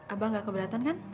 abang nggak keberatan kan